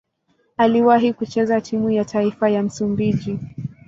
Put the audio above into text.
Aliwahi kucheza timu ya taifa ya Msumbiji.